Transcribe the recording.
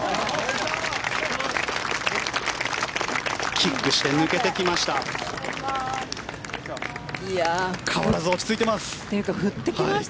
キックして抜けてきました。